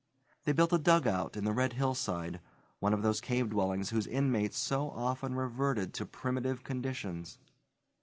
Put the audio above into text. They built a dugout in the red hillside, one of those cave dwellings whose inmates so often reverted to primitive conditions.